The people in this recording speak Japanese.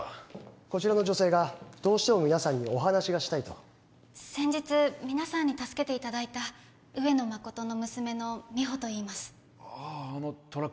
こちらの女性がどうしても皆さんにお話がしたいと先日皆さんに助けていただいた上野誠の娘の実歩といいますあああのトラック